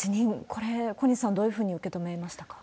これ、小西さん、どういうふうに受け止めましたか？